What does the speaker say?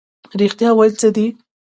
رښتیا ویل څه دي؟